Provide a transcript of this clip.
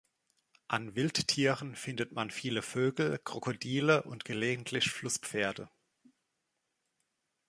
An Wildtieren findet man viele Vögel, Krokodile und gelegentlich Flusspferde.